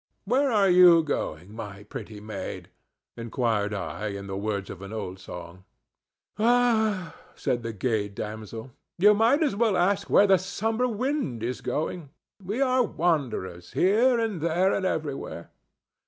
"'Where are you going, my pretty maid?'" inquired I, in the words of an old song. "Ah!" said the gay damsel; "you might as well ask where the summer wind is going. We are wanderers here and there and everywhere.